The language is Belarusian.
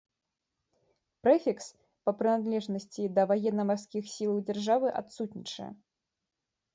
Прэфікс па прыналежнасці да ваенна-марскіх сілаў дзяржавы адсутнічае.